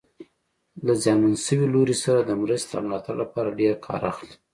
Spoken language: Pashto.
له زیانمن شوي لوري سره د مرستې او ملاتړ لپاره ډېر کار اخلي.